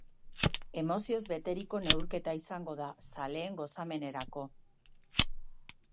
Emozioz beteriko neurketa izango da, zaleen gozamenerako.